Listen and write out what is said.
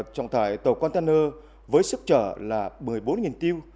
trọng tải tàu container với sức trở là một mươi bốn tiêu